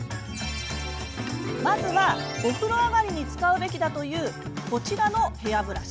まずはお風呂上がりに使うべきだというこちらのヘアブラシ。